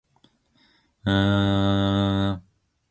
그거 참 말 한 번 시원시원하게 하네